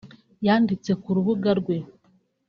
yanditse ku rubuga rwe